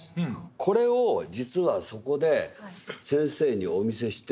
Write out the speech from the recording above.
これを実はそこで先生にお見せして。